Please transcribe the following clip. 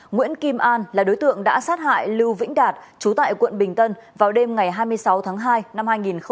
nguyễn kim an là đối tượng đã sát hại lưu vĩnh đạt trú tại quận bình tân vào đêm ngày hai mươi sáu tháng hai năm hai nghìn hai mươi